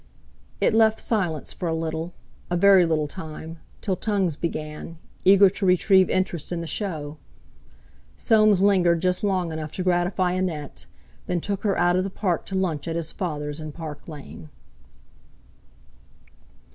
It left silence for a little—a very little time, till tongues began, eager to retrieve interest in the show. Soames lingered just long enough to gratify Annette, then took her out of the Park to lunch at his father's in Park Lane....